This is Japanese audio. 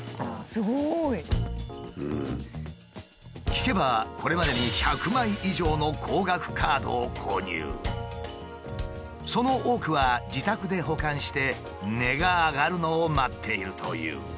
聞けばこれまでにその多くは自宅で保管して値が上がるのを待っているという。